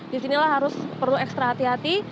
di sinilah harus perlu ekstra hati hati